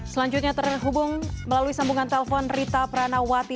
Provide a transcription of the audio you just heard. selanjutnya terhubung melalui sambungan telpon rita pranawati